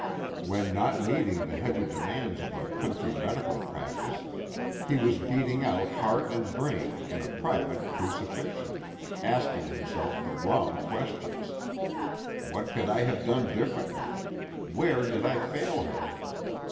When not meeting the heavy demands of a country medical practice, he was beating out heart and brain in a private crucifixion, asking himself the wrong questions: _What could I have done differently? Where did I fail her?